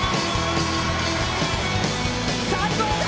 最高だ！